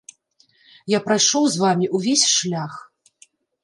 Я прайшоў з вамі ўвесь шлях.